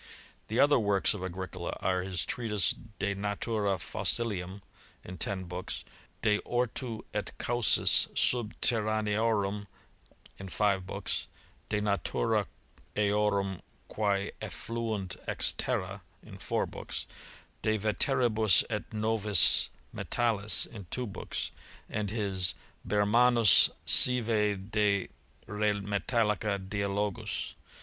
The other works of Agricola are his treatise De Natura Fossilium, in ten books ; De Ortu et Causis Subterraneorum, in five books ; De Natura eorum qu«e efiluunt ex Terra, in four books ; De veteribus et novis Metallis, in two books ; and his Bermannus sive de ' re metallica Dialogus.